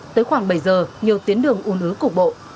tới khoảng bảy giờ nhiều tuyến đường ồn ứa cục bộ